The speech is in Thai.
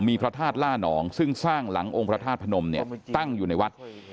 มีพระธาตุล่านองซึ่งสร้างหลังองค์พระธาตุพนมเนี่ยตั้งอยู่ในวัด